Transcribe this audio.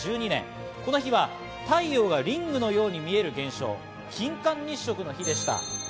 この日は太陽がリングのように見える現象、金環日食の日でした。